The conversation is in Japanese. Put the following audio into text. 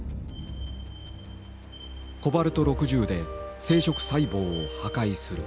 コバルト６０で生殖細胞を破壊する。